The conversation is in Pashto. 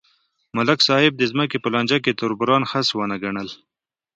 ملک صاحب د ځمکې په لانجه کې تربوران خس ونه ګڼل.